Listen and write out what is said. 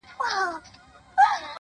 سوچه کاپیر وم چي راتلم تر میخانې پوري،